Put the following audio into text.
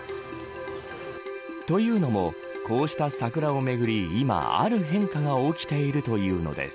というのも、こうした桜をめぐり今ある変化が起きているというのです。